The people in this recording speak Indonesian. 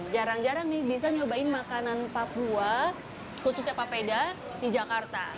jarang jarang nih bisa nyobain makanan papua khususnya papeda di jakarta